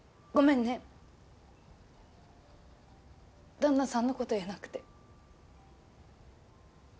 旦那さんのこと言えなくて。